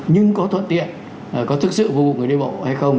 nhưng có thuận tiện có thực sự vô cùng người đi bộ hay không